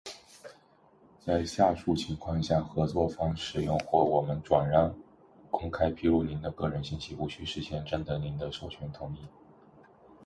在下述情况下，合作方使用，或我们转让、公开披露您的个人信息无需事先征得您的授权同意：